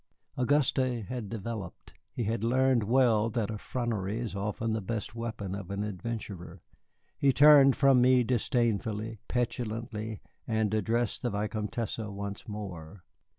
Auguste had developed. He had learned well that effrontery is often the best weapon of an adventurer. He turned from me disdainfully, petulantly, and addressed the Vicomtesse once more.